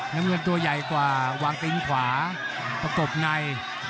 น้ำเงินตัวใหญ่กว่าวางตีนขวาประกบใน